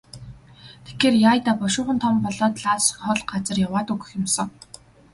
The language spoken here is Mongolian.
Тэгэхээр яая даа, бушуухан том болоод л алс хол газар яваад өгөх юм сан.